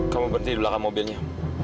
kamu berhenti di belakang mobilnya